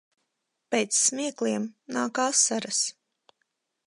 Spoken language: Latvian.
Pēc smiekliem nāk asaras.